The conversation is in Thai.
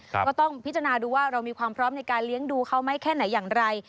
ก็ต้องพิจารณาดูว่าเรามีความพร้อมในการเลี้ยงดูเขาไหมแค่ไหนอย่างไร